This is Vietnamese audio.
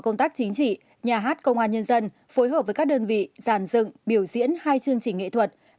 công tác chính trị nhà hát công an nhân dân phối hợp với các đơn vị giàn dựng biểu diễn hai chương trình nghệ thuật